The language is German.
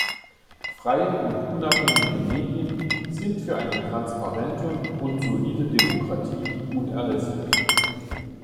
Freie und unabhängige Medien sind für eine transparente und solide Demokratie unerlässlich.